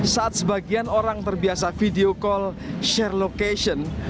saat sebagian orang terbiasa video call share location